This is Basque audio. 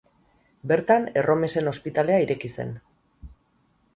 Bertan erromesen ospitalea ireki zen.